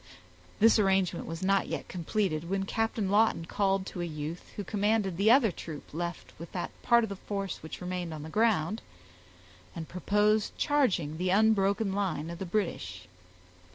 This arrangement was not yet completed, when Captain Lawton called to a youth, who commanded the other troop left with that part of the force which remained on the ground, and proposed charging the unbroken line of the British.